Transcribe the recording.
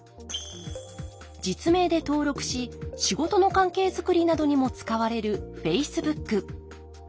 実名で登録し仕事の関係づくりなどにも使われるｆａｃｅｂｏｏｋ。